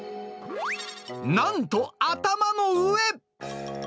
なんと頭の上。